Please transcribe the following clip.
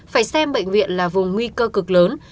phải xem bệnh viện là vùng nguy cơ cực lớn